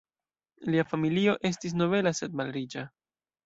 Lia familio estis nobela sed malriĉa.